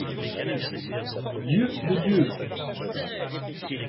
Dieu de Dieu !